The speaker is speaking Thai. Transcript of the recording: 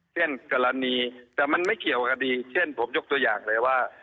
เช่นกรณีแต่มันไม่เกี่ยวกับคดีเช่นผมยกตัวอย่างเลยว่า